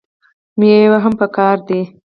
میوې هم پکار دي.